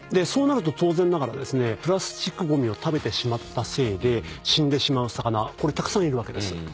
そうなると当然ながらプラスチックごみを食べたせいで死んでしまう魚たくさんいるわけです。